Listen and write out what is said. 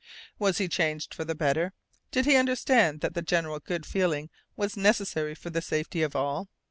Was he changed for the better? Did he understand that general good feeling was necessary for the safety of all?